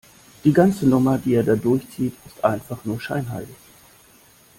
Die ganze Nummer, die er da durchzieht, ist einfach nur scheinheilig.